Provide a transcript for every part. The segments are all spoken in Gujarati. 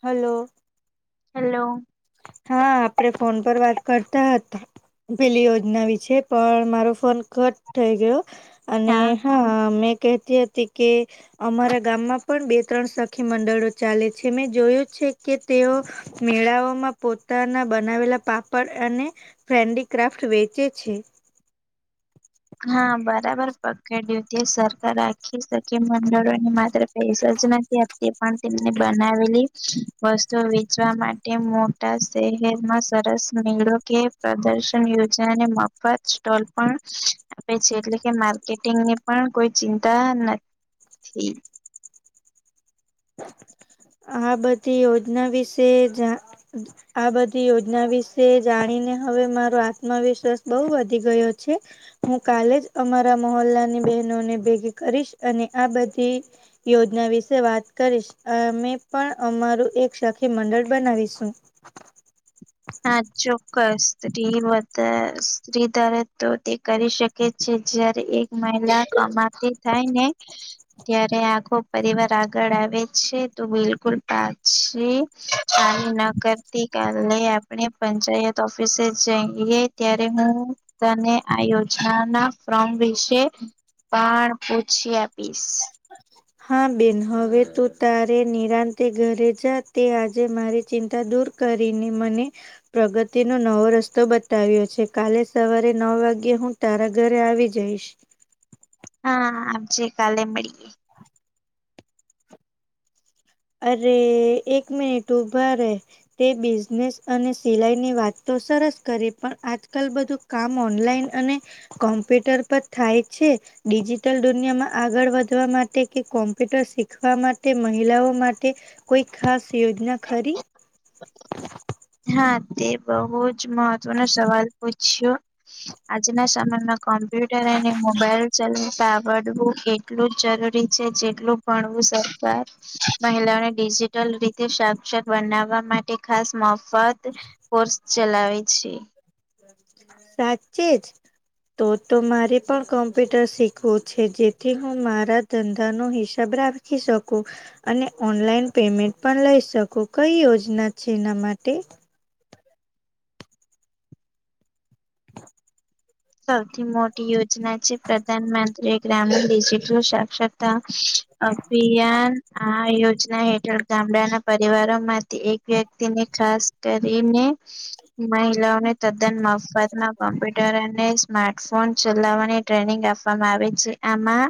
હલો હેલો હા આપડે ફોન પર વાત કરતા હતા. પેલી યોજના વિશે પણ મારો ફોન કટ થઈ ગયો અને હા મેં કહેતી હતી કે અમારા ગામમાં પણ બે ત્રણ સખી મંડળો ચાલે છે મેં જોયું છે કે તેઓ મેળાઓમાં પોતાના બનાવેલા પાપડ અને ફ્રેન્ડી ક્રાફ્ટ વેચે છે હા બરાબર પકડ્યું તે સરખ રાખી કે મંડળોને માત્ર પસ નથી આપતી પણ તેમને બનાવેલી વસ્તુ વેચવા માટે મોટા શહેરમાં સરસ મેળો કે પ્રદર્શન યોજાય અને મફત સ્ટોલ પણ આપે છે એટલે કે માર્કેટિંગ ને પણ કોઈ ચિંતા નથી [unintelligible] આ બધી યોજના વિશે જાણ આ બધી યોજના વિશે જાણીને હવે મારો આત્મવિશ્વાસ બહુ વધી ગયો છે હું કાલે જ અમારા મોલ્લાની બહેનોને ભેગી કરીશ અને આ બધી યોજના વિશે વાત કરીશ અમે પણ અમારું એક સાખી મંડળ બનાવીશું હા ચોક્કસ સ્ત્રી બા સ્ત્રી ધરે તો તે કરી શકે છે જયારે એક મહિલા કમાથી થાય ને ત્યારે આખો પરિવાર આગળ આવે છે તો બિલકુલ પાચ છે ચાલુ ના કરતી કાલે આપણે પંચાયત ઓફિસે જઈએ ત્યારે હું તને આ યોજનાના ફ્રમ વિશે પણ પૂછી આપીશ હા બેન હવે તું તારે નિરાંતે ઘરે જા તે આજે મારી ચિંતા દૂર કરીને મને પ્રગતિનોો નવો રસ્તો બતાવ્યો છે કાલે સવારે નવ વાગ્યે હું તારા ઘરે આવી જઈશ હા આજે કાલે મળી ગઈ અરે એક મનિટ ઉભા રે તે બિઝનેસ અને સિલાઈની વાત તો સરસ કરી પણ આજકાલ બધું કામ ઓનલાઈન અને કોમ્પ્યુટર પર થાય છે. ડિજિટલ દુનિયામાં આગળ વધવા માટે કે કોમ્પ્યુટર શીખવા માટે મહિલાઓ માટે કોઈ ખાસ યોજના ખરી હા તે બહુ જ મહત્વનોો સવાલ પૂછ્યો આજના સમયમાં કોમ્પ્યુટર અને મોબાઈલવ ચલાવતા આવડવું કે એટલું જરૂરી છે જેટલું ભણવું સરકાર મહિલાઓને ડિજિટલ રીતે સાક્ષર બનાવવા માટે ખાસ મો ફત કોર્સ ચલાવે છે સાચે જ તો તો મારે પણ કોમ્પ્યુટર શીખવું છે જેથી હું મારા ધંધા નો હિસાબ રાખી શકું અને ઓનલાઈન પેમેન્ટ પણ લઈ શકો કઈ યોજના છે એના માટે સૌથી મોટી યોજના છે પ્રધાનમંત્રી ગ્રામીણ ડિજટલ સાક્ષર અભિયાન આ યોજના હેઠળ ગામડાના પરિવારો માંથી એક વ્યક્તિને ખાસ કરીને મહિલાઓને તદ્દન મફતમાં કોમ્પ્યુટર સ્માર્ટફોન ચલાવવાની ટ્રેનિંગ આપવામાં આવે છે આમાં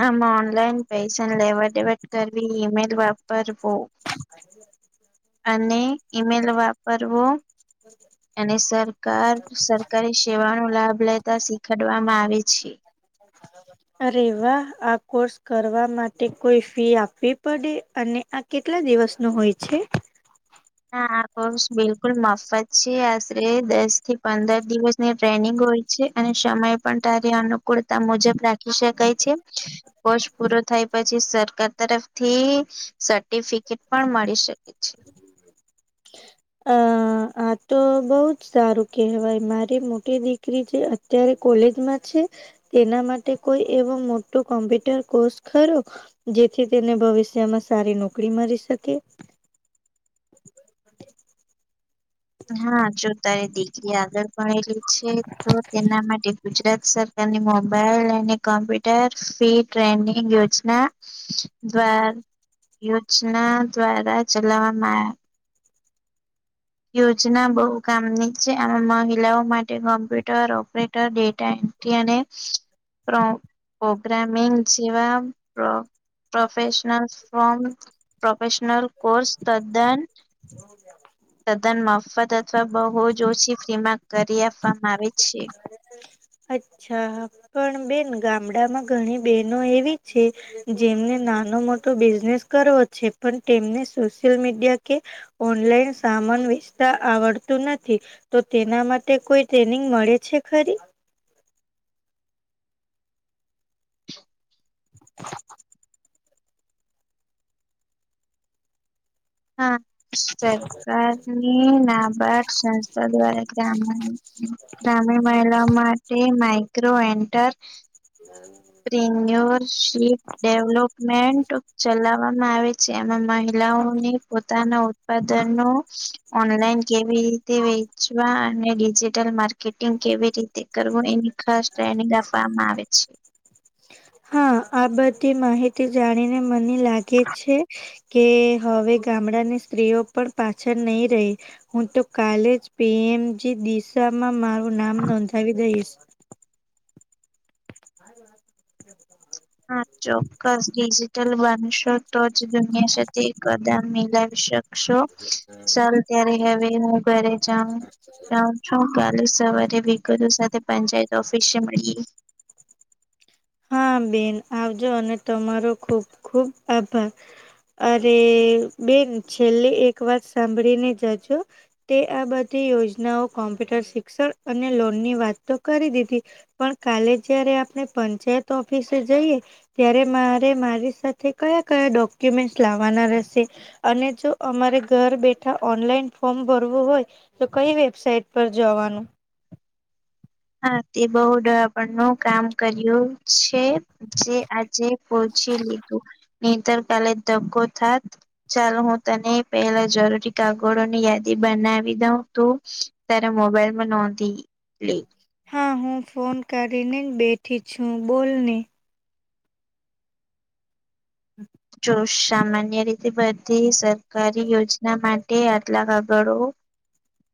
હામાં ઓનલાઈન પૈસા લેવ દેવડ કરવી ઈમેલ વાપરવો અને ઈમેલ વાપરવો અને સરકાર સર સેવા નો લાભ લેતા શીખડવામાં આવે છે. રાબ [unintelligible] અરે વાહ આ કોર્સ કરવા માટે કોઈ ફી આપવી પડે અને કેટલા દિવસ નો હોય છે હા આ કોર્સ બિલકુલ મફત છે આશરે દસ થી પંદર દિવસ ની ટ્રેનિંગ હોય છે અને સમય પણ તારી અનુકૂળતા મુજબ રાખી શકાય છે. કોર્ષ પૂરો થાય પછી સરકાર તરફથી સર્ટિફિકેટ પણ મળી શકે અછ અ આ તો બહુ જ સારું કેહેવાય મારી મોટી દીકરી જે અત્યારે કોલેજમાં છે તેના માટે કોઈ એવો મોટો કોમ્પ્યુટર કોર્સ ખરો જેથી તેને ભવિષ્યમાં સારી નોકરી મળી શકે હા જો તારી દીકરી આગળ ભણેલી છે તો તેના માટે ગુજરાત સરકાર ની મોબાઈલ અને કોમ્પ્યુટર ફી ટ્રેનિંગ યોજના દ્વાર યોજના દ્વારા ચલાવવામાં આવ યોજના બહુ કામની છે આમાં મહિલાઓ માટે કોમ્પ્યુટર ઓપરેટર ડેટા એ પોગા પ્રોગ્રામિંગ જેવા પ્રોફેશનલ ફોમ પ્રોફેશનલ કોર્સ તદ્દન જો જ [unintelligible] સદન મફત અથવા બહુ જ ઓછી ફ્રીમાં કરી આપવામાં આવે છે. અચ્છા પણ બેન ગામડામાં ઘણી બહેનો એવી છે જેમને નાનો મોટો બિઝનેસ કરવો છે પણ તેમને સોશિયલ મીડિયા કે ઓનલાઈન સામાન વેચતા આવડતું નથી તો તેના માટે કોઈ ટ્રેનિંગ મળે છે ખરી [inaudible] હા. [unintelligible] સરકારની નાબારડ સંસ્થા દ્વારા ગ્રામ ગ્રામી મહિલાઓ માટે માઇક્રો એન્ટર હમ [unintelligible] પ્રિમ્ય્યોર શીપ ડેવલોપમેન્ટ ચલાવવામાં આવે છે એમાં મહિલાઓને પોતાના ઉત્પાદનો ઓનલાઈન કેવી રીતે વેચવા અને ડિજિટલ માર્કે કિટિંગ કેવી રીતે કરવું એની ખાસ ટ્રેનિંગ આપવામાં આવે છે હા આ બધી માહિતી જાણીને મને લાગે છે. કે હવે ગામડાની સ્ત્રીઓ પણ પાછળ નહી રહી હું તો કાલે જ પીએમજી દિશામાં મારું નામ નોંધાવી દઈશ મારી વાત હા [inaudible] ચોક્કસ ડિજિટલ બનશો તો જ દુનિયા સુધી કદમ મિલાવી શકશો. ચાલો ત્યારે હવે હું ઘરે જવું ત્યાં હું કાલે સવારે વિગતો સાથે પંચાયત ઓફિસે મળીએ. હા બેન આવજો અને તમારો ખુબ ખુબ આભાર. અરે બેન છેલ્લે એક વાત સાંભળીને જજો. તે આ બધી યોજનાઓ કોમ્પ્યુટર શિક્ષણ અને લોનની વાત તો કરી દીધી. પણ કાલે જયારે આપણે પંચાયત ઓફિસે જઈએ. ત્યારે મારે મારી સાથે કયા કયા ડોક્યુમેન્ટ લાવવાના રહેશે. અને જો અમારે ઘર બેઠા ઓનલાઈન ફોર્મ ભરવું હોય. તો કઈ વેબસાઇટ પર જવાનું. હા તે બહુંડ આપણનો કામ કર્યું છે. જે આજે પોહોચી લીધું ની તો કાલે ધકો થાત. ચાલ હું તને પેલા જરૂરી કાગળોની યાદી બનાવી દઉં તું તારા મોબાઇલમાં નોંધી લે. હા હું ફોન કાઢી ને બેઠી છું બોલ ને. હમ. તો સામાન્ય રીતે બધી સરકારી યોજના માટે [unintelligible] કાગળો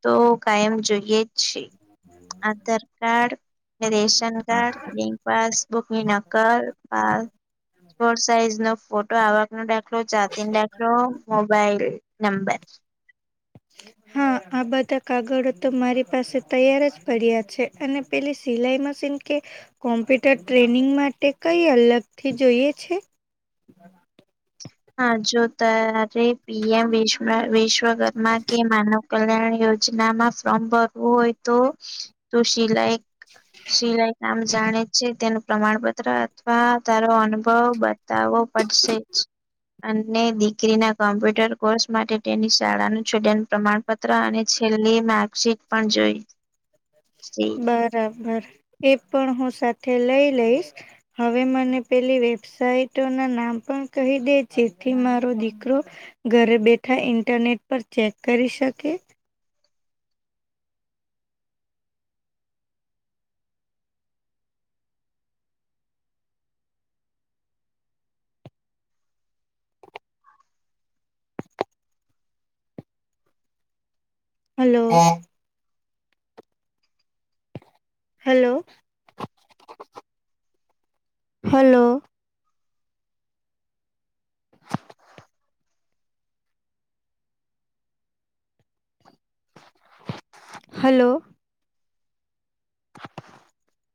તો કાયમ જોઈએ જ છે Aadhaar card ration card bank પાસબુકની નક્કલ પા પોર્ટ સાઈઝ નો ફોટો આવક નો દાખલો જાતી ન દાખલો મોબાઈલ રે નંબર હા. આ બધા કાગળો તો મારી પાસે તૈયાર જ પડ્યા છે અને પેલી સિલાઈ મશીન કે કોમ્પ્યુટર ટ્રેનિંગ માટે કઈ અલગથી જોઈએ છે. [inaudible] હા જો તારે પી એમ વિશ વિશ્વ ઘરમાં કે માનવ કલ્યાણ યોજનામાં ફોર્મ ભરવું હોય તો તો સિલાઈ સિલાઈ કામ જાણે છે તેનું પ્રમાણપત્ર અથવા તારો અનુભવ બતાવવો પડશે જ. અને દીકરી ના કોમ્પ્યુટર કોર્સ માટે તેની શાળાનું છૂટેલા પ્રમાણ પત્ર અને છેલ્લી માર્કશીટ પણ જોઈ. બરાબર એ પણ હું સાથે લઈ લઈશ હવે મને પેલી વેબસાાઈટો ના નામ પણ કહી દે જેથી મારો દીકરો ઘરે બેઠા ઇન્ટરનેટ પર ચેક કરી શકે. હલો. હેલો. હલો. હલો. [inaudible]